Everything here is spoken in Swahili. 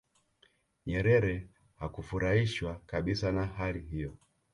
nyerere hakufurahishwa kabisa na hali hiyo